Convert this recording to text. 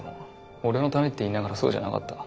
俺のためって言いながらそうじゃなかった。